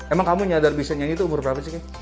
emang kamu nyadar bisa nyanyi itu umur berapa sih kak